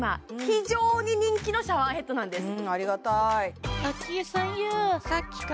非常に人気のシャワーヘッドなんです